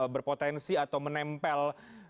berpotensi atau menempel